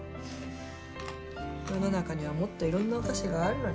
世の中にはもっといろんなお菓子があるのに。